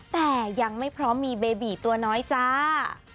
แต่ยังไม่พร้อมมีเบบีตัวน้อยจ้า